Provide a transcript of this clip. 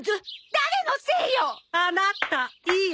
誰のせいよ！